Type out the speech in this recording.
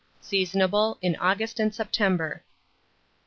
Seasonable in August and September.